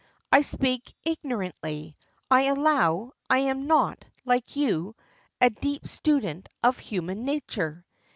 I speak ignorantly, I allow. I am not, like you, a deep student of human nature.